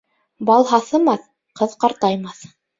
Бал һаҫымаҫ, ҡыҙ ҡартаймаҫ.